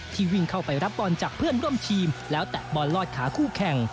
วิ่งเข้าไปรับบอลจากเพื่อนร่วมทีมแล้วแตะบอลลอดขาคู่แข่ง